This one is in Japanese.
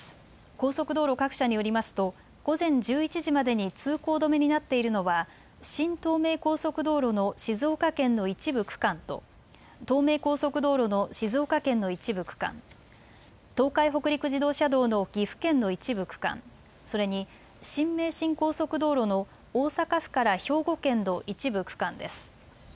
高速道路各社によりますと午前１１時までに通行止めになっているのは新東名高速道路の静岡県の一部区間と東名高速道路の静岡県の一部区間、東海北陸自動車道の岐阜県の一部区間、それに新名神高速道路の大阪府から兵庫県の一部区間です。